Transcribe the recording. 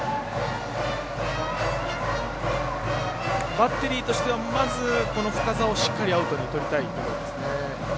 バッテリーとしてはまず深沢をしっかりアウトにとりたいところ。